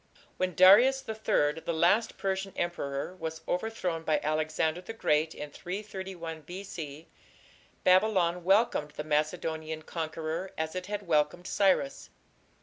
When Darius III, the last Persian emperor, was overthrown by Alexander the Great in 331 B.C., Babylon welcomed the Macedonian conqueror as it had welcomed Cyrus.